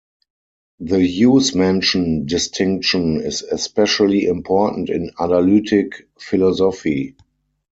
The use-mention distinction is especially important in analytic philosophy.